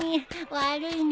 悪いね。